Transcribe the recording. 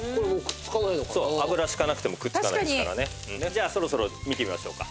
じゃあそろそろ見てみましょうか。